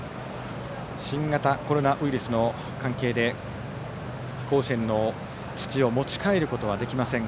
新型コロナウイルスの関係で甲子園の土を持ち帰ることはできません。